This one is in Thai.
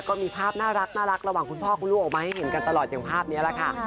ก็มีภาพน่ารักระหว่างคุณพ่อคุณลูกออกมาให้เห็นกันตลอดอย่างภาพนี้แหละค่ะ